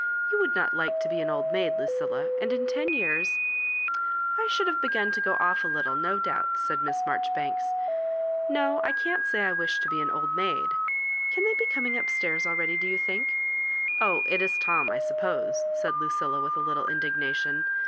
You would not like to be an old maid, Lucilla ; and in ten years ^"^* I should have begun to go off a little, no doubt," said Miss Marjoribapka "No, I can't say I wish to be an old maid. Can they be coming up stairs ah eady, do you think ? Oh, it is Tom, I suppose," said Lucilla, with a little indignation!